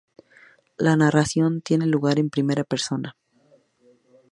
La narración tiene lugar en primera persona.